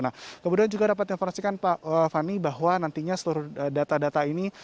nah kemudian juga dapat diinformasikan pak fani bahwa nantinya seluruh data data ini